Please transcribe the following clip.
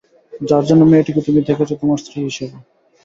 যার জন্যে মেয়েটিকে তুমি দেখেছ তোমার স্ত্রী হিসেবে।